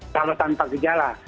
kalau tanpa gejala